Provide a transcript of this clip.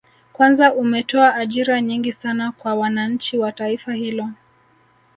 Kwanza umetoa ajira nyingi sana kwa wananchi wa taifa hilo